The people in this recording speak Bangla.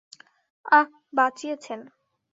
আঃ, বাঁচিয়েছেন!